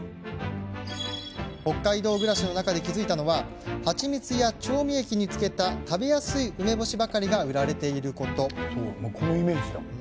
北海道暮らしの中で気付いたのは蜂蜜や調味液に漬けた食べやすい梅干しばかりが売られていること。